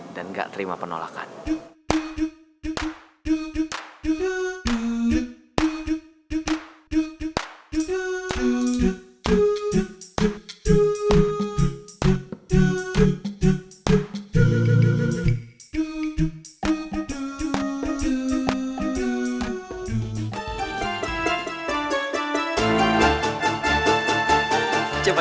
dari bahasa romano